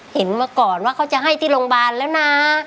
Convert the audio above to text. เห็นมาก่อนว่าเขาจะให้ที่โรงพยาบาลแล้วนะ